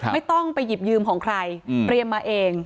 ไม่ต้องไปหยิบยืมของใครเตรียมมาเอง